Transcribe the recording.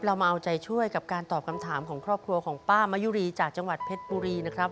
เรามาเอาใจช่วยกับการตอบคำถามของครอบครัวของป้ามะยุรีจากจังหวัดเพชรบุรีนะครับ